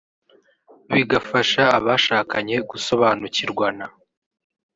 bigafasha abashakanye gusobanukirwana